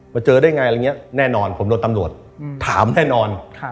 เจอได้ไงอะไรอย่างนี้แน่นอนผมโดนตำรวจถามแน่นอน